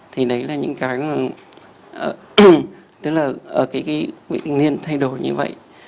thì đấy là những cái tức là ở cái vị thành niên thay đổi như vậy